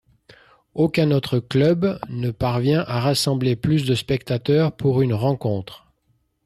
Aucun autre club ne parvient à rassembler plus de spectateurs pour une rencontre.